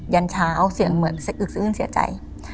ยันเช้าเสียงเหมือนสะอึกซื้นเสียใจ